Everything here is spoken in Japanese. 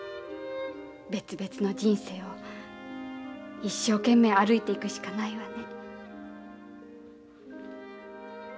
別々の人生を一生懸命歩いていくしかないわね。